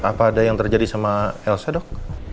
apa ada yang terjadi sama elsa dok